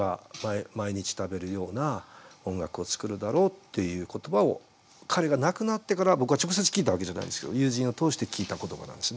っていう言葉を彼が亡くなってから僕は直接聞いたわけじゃないんですけど友人を通して聞いた言葉なんですね。